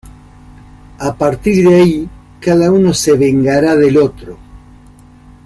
A partir de ahí, cada uno se vengará del otro.